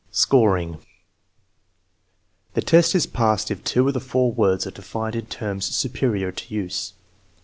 Scoring. The test is passed if two of the four words are defined in terms superior to use.